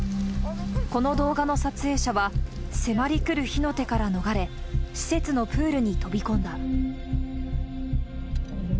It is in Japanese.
この動画の撮影者は、迫り来る火の手から逃れ、施設のプールに飛び込んだ。